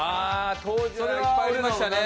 当時はいっぱいありましたね。